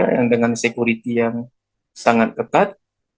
yang dengan security yang sangat ketat